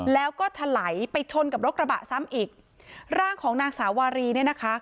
แล้วก็ถลายไปชนกับรถกระบะซ้ำอีกร่างของนางสาวารีเนี่ยนะคะ